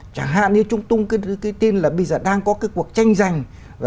chẳng hạn như chúng tung cái tin là bây giờ đang có cái cuộc tranh giành